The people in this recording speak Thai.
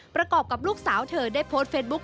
ประกอบกับลูกสาวเธอได้โพสต์เฟซบุ๊ค